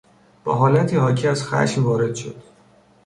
با حالتی حاکی از خشم وارد شد.